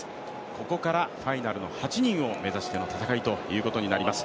ここからファイナルの８人を目指しての戦いということになります。